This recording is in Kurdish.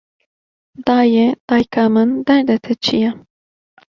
Dayê, dayika min, derdê te çi ye